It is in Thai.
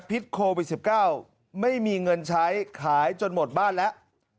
พิษโควิด๑๙ไม่มีเงินใช้ขายจนหมดบ้านแล้ว